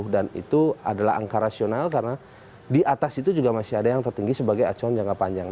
tiga belas sembilan ratus lima puluh dan itu adalah angka rasional karena di atas itu juga masih ada yang tertinggi sebagai acuan jangka panjang